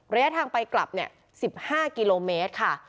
ระยะทางไปกลับ๑๕กิโลเมตรค่ะ